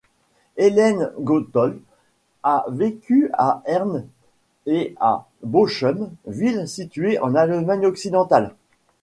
Helene Gotthold a vécu à Herne et à Bochum, villes situées en Allemagne occidentale.